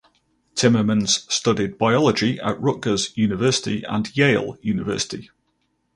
Timmermans studied biology at Rutgers University and Yale University.